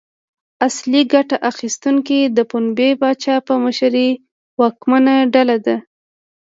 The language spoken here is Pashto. اصلي ګټه اخیستونکي د پنبې پاچا په مشرۍ واکمنه ډله ده.